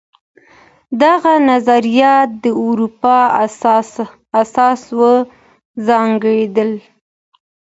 دغه نظريات د اروپا اساس وګرځېدل.